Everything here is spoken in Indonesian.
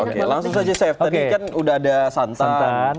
oke langsung saja chef tadi kan udah ada santan